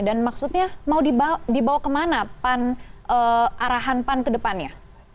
dan maksudnya mau dibawa ke mana arahan pan ke depannya